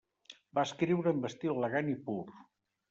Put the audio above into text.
Va escriure amb estil elegant i pur.